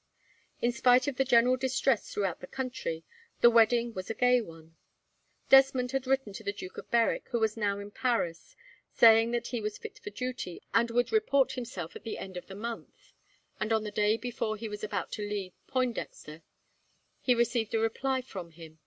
In spite of the general distress throughout the country, the wedding was a gay one. Desmond had written to the Duke of Berwick, who was now in Paris, saying that he was fit for duty, and would report himself at the end of the month; and, on the day before he was about to leave Pointdexter, he received a reply from him.